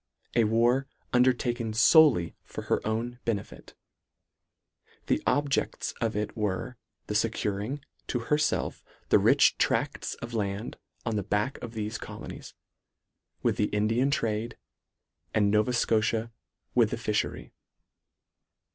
A war, underta ken folely for her own benefit. The objects of it were, the fecuring to herfelf the rich tracts of land on the back of thefe colonies, with the Indian trade, and Nova Scotia with the fifhery.